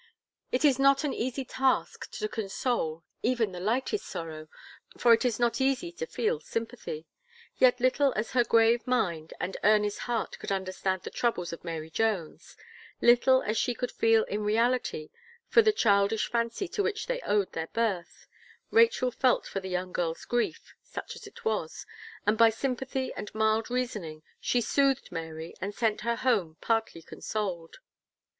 It is not an easy task to console, even the lightest sorrow, for it is not easy to feel sympathy. Yet little as her grave mind, and earnest heart could understand the troubles of Mary Jones, little as she could feel in reality for the childish fancy to which they owed their birth, Rachel felt for the young girl's grief, such as it was, and by sympathy and mild reasoning, she soothed Mary, and sent her home partly consoled.